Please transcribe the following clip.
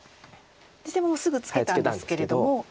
実戦すぐツケたんですけれども。